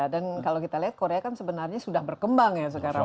dan kalau kita lihat korea kan sebenarnya sudah berkembang ya sekarang